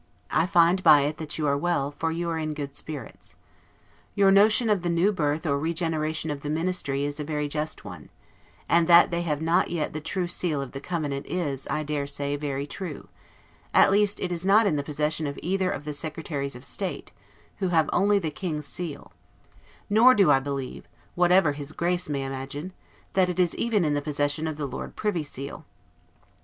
I find by it that you are well, for you are in good spirits. Your notion of the new birth or regeneration of the Ministry is a very just one; and that they have not yet the true seal of the covenant is, I dare say, very true; at least it is not in the possession of either of the Secretaries of State, who have only the King's seal; nor do I believe (whatever his Grace may imagine) that it is even in the possession of the Lord Privy Seal.